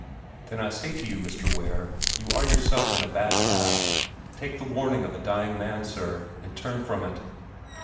"Then I say to you, Mr. Ware, you are yourself in a bad path. Take the warning of a dying man, sir, and turn from it!"